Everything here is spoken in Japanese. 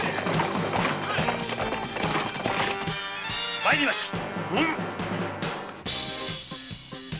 参りましたうむ。